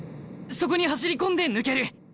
そこに走り込んで抜ける！